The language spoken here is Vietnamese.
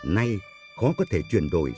nay khó có thể chuyển đổi